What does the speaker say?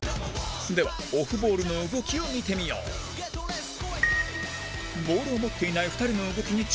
では、オフボールの動きを見てみようボールを持っていない２人の動きに注目